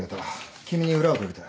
君に裏を取りたい。